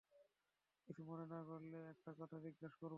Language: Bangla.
কিছু মনে না করলে একটা কথা জিজ্ঞেস করব?